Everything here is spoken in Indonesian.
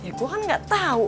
ya gue kan gak tau